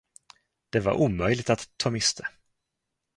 Det var omöjligt att ta miste.